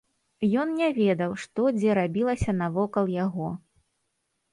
Ён не ведаў, што дзе рабілася навокал яго.